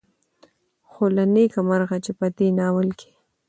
خو له نيکه مرغه مې په دې ناول کې